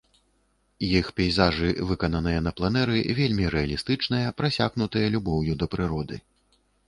Іх пейзажы, выкананыя на пленэры, вельмі рэалістычныя, прасякнутыя любоўю да прыроды.